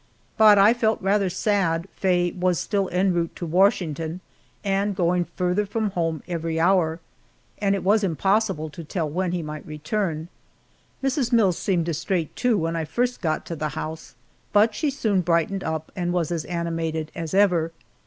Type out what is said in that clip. But I felt rather sad Faye was still en route to Washington, and going farther from home every hour, and it was impossible to tell when he would return, Mrs. Mills seemed distraite, too, when I first got to the house, but she soon brightened up and was as animated as ever.